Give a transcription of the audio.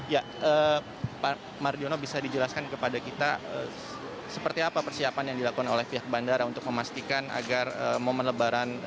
ya pak mardiono bisa dijelaskan kepada kita seperti apa persiapan yang dilakukan oleh pihak bandara untuk memastikan agar momen lebaran